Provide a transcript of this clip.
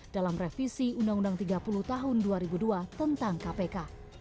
dalam revisi undang undang tiga puluh tahun dua ribu dua tentang kpk